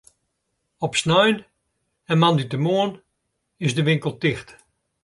Op snein en moandeitemoarn is de winkel ticht.